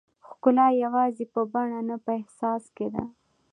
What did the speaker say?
ښکلا یوازې په بڼه نه، په احساس کې ده.